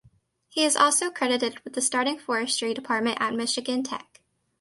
He is also credited with starting the forestry department at Michigan Tech.